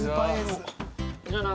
じゃあな。